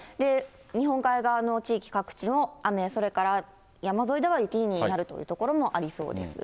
日本海側の各地も雨、それから山沿いでは雪になるという所もありそうです。